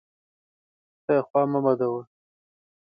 ته خوا مه بدوه!